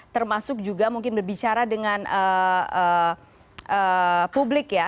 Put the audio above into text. termasuk juga mungkin berbicara dengan publik ya